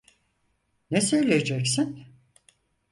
Ne söyleyeceksin?